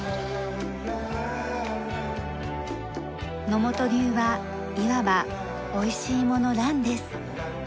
野本流はいわばおいしいものランです。